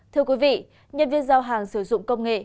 thưa quý vị nhân viên giao hàng sử dụng công nghệ